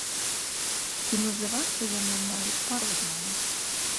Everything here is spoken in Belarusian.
І называцца яны могуць па-рознаму.